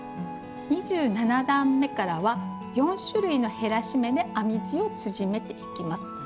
２７段めからは４種類の減らし目で編み地を縮めていきます。